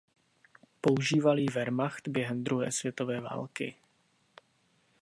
Používal ji Wehrmacht během druhé světové války.